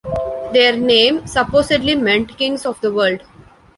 Their name supposedly meant "kings of the world".